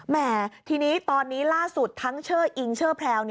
แม่ทีนี้ตอนนี้ล่าสุดทั้งเชอร์อิงเชอร์แพลว